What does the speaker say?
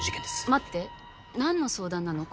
待って何の相談なの？